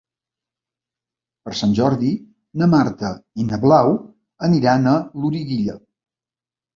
Per Sant Jordi na Marta i na Blau aniran a Loriguilla.